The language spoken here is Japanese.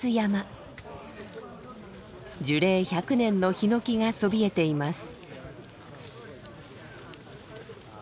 樹齢１００年のヒノキがそびえています。